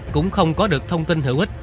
cũng không có được thông tin hữu ích